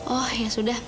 oh ya sudah